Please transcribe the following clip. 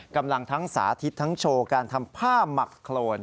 กำลังทั้งสาธิตทั้งโชว์การทำผ้าหมักโครน